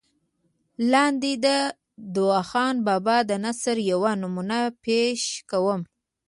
لاندې دَاخون بابا دَنثر يوه نمونه پېش کوم